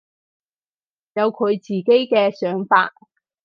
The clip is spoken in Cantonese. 有佢自己嘅想法